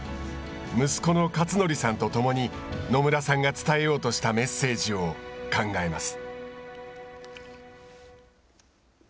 息子の克則さんとともに野村さんが伝えようとしたメッセージを考えます。